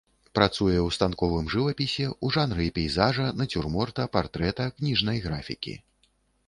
Працуе ў станковым жывапісе, у жанры пейзажа, нацюрморта, партрэта, кніжнай графікі.